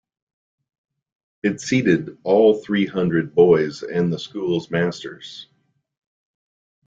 It seated all three hundred boys and the school's masters.